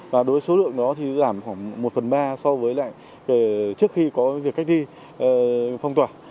và đối với số lượng đó thì giảm khoảng một phần ba so với lại trước khi có việc cách ly phong tỏa